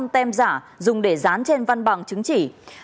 ba sáu trăm linh tem giả dùng để dán trên văn bằng chứng chỉ